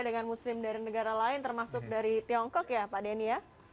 dengan muslim dari negara lain termasuk dari tiongkok ya pak denny ya